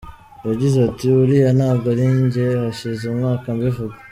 Yagize ati “Uriya ntabwo ari njye, hashize umwaka mbivuga.